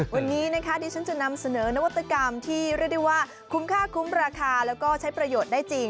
วันนี้นะคะดิฉันจะนำเสนอนวัตกรรมที่เรียกได้ว่าคุ้มค่าคุ้มราคาแล้วก็ใช้ประโยชน์ได้จริง